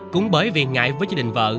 cũng bởi vì ngại với gia đình vợ